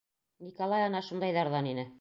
Николай ана шундайҙарҙан ине.